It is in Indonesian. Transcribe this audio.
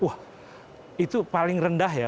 wah itu paling rendah ya